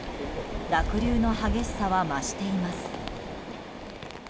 濁流の激しさは増しています。